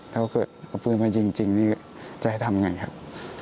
แล้วเขาเอาปืนมายิงจริงจะให้ทำอย่างไรครับ